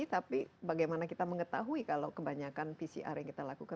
tapi bagaimana kita mengetahui kalau kebanyakan pcr yang kita lakukan